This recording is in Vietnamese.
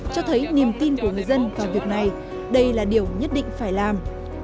cho thấy niềm tin của người dân vào việc này đây là điều nhất định phải làm